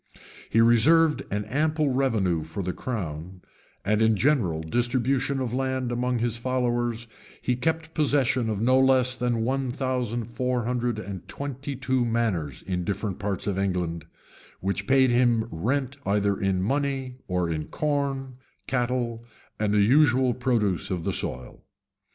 He reserved an ample revenue for the crown; and in the general distribution of land among his followers, he kept possession of no less than one thousand four hundred and twenty two manors in different parts of England,[] which paid him rent either in money, or in corn, cattle, and the usual produce of the soil.